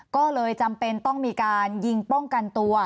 ก็เลยจำเป็นต้องมีการยิงป้องกันตัว